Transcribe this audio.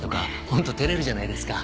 本当照れるじゃないですか。